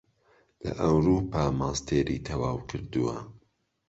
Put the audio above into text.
لە ئەوروپا ماستێری تەواو کردووە